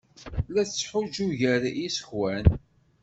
La yettḥuǧǧu gar yiẓekwan.